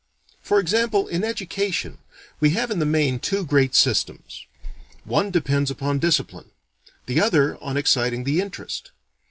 For example, in education, we have in the main two great systems. One depends upon discipline. The other on exciting the interest.